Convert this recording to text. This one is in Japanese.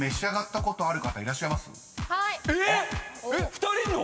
２人いるの⁉